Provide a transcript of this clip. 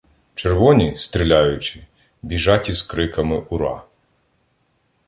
Червоні, стріляючи, біжать із криками "ура".